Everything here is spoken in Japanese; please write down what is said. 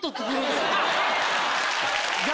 逆！